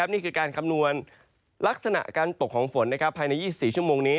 นี่คือการคำนวณลักษณะการตกของฝนภายใน๒๔ชั่วโมงนี้